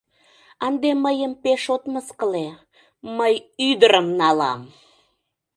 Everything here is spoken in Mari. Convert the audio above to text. Ынде мыйым пеш от мыскыле: мый ӱдырым налам!